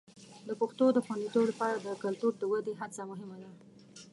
د پښتو د خوندیتوب لپاره د کلتور د ودې هڅه مهمه ده.